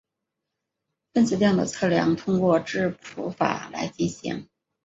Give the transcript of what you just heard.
分子量的测量通过质谱法来进行。